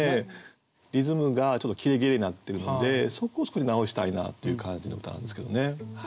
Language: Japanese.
リズムがちょっと切れ切れになってるのでそこを少し直したいなという感じの歌なんですけどね。